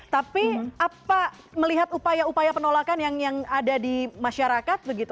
tapi apa melihat upaya upaya penolakan yang ada di masyarakat